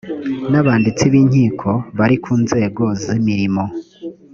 n abanditsi b inkiko bari ku nzego z imirimo